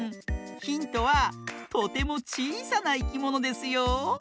ヒントはとてもちいさないきものですよ。